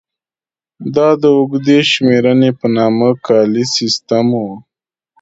دا د اوږدې شمېرنې په نامه کالیز سیستم و.